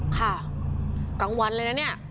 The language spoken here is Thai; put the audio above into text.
กลางวันเลยแล้วเนี้ย